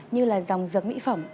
như là dòng dần mỹ phẩm